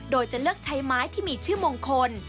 โดยจะเลือกใช้ไม้ที่มีชื่อมงคล